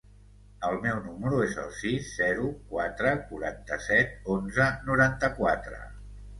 El meu número es el sis, zero, quatre, quaranta-set, onze, noranta-quatre.